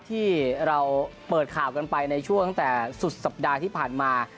ที่เราเปิดข่าวกันไปในช่วงตั้งแต่สุดสัปดาห์ที่ผ่านมา